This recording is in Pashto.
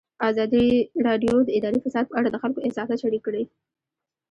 ازادي راډیو د اداري فساد په اړه د خلکو احساسات شریک کړي.